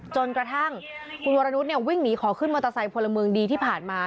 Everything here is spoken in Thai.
จนกระทั่งคุณวรนุษย์วิ่งหนีขอขึ้นมอเตอร์ไซค์พลเมืองดีที่ผ่านมา